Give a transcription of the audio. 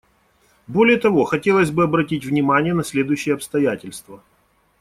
Более того, хотелось бы обратить внимание на следующие обстоятельства.